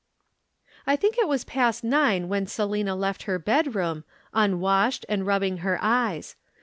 "I think it was past nine when Selina left her bedroom, unwashed and rubbing her eyes.